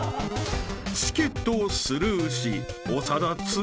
［チケットをスルーし］